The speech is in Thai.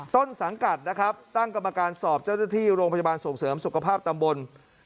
ต้นสังกัดนะครับตั้งกรรมการสอบเจ้าหน้าที่โรงพยาบาลส่งเสริมสุขภาพตำบล